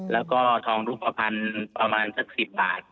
แล้วก็ทองรูปภัณฑ์ประมาณสัก๑๐บาท